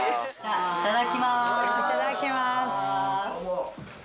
いただきます。